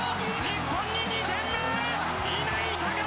日本に２点目！